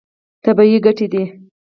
طبیعي ګټې دي.